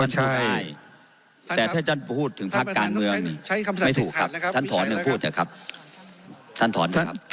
แต่ถ้าท่านพูดถึงภักร์การเมืองไม่ถูกครับท่านถอนคำพูดเหรอครับ